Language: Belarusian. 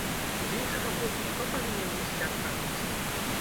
З іншага боку, хто павінен несці адказнасць?